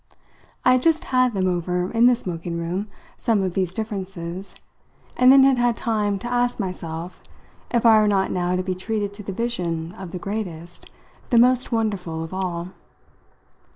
I had just had them over in the smoking room, some of these differences, and then had had time to ask myself if I were not now to be treated to the vision of the greatest, the most wonderful, of all.